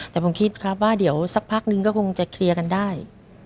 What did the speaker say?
แต่ผมคิดครับว่าเดี๋ยวสักพักนึงก็คงจะเคลียร์กันได้